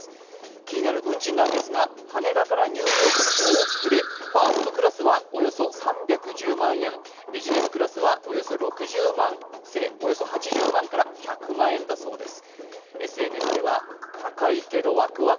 気になる運賃なんですが羽田からニューヨークの往復でファーストクラスはおよそ３１０万円、ビジネスクラスはおよそ８０万から１００万円だそうです。